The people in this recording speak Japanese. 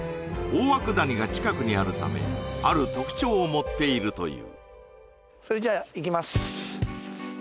大涌谷が近くにあるためある特徴を持っているというそれじゃあ行きます